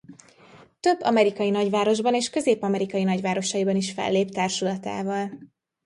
Több amerikai nagyvárosban és Közép-Amerika nagyvárosaiban is fellép társulatával.